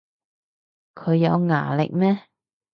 佢有牙力咩